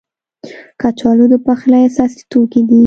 کچالو د پخلي اساسي توکي دي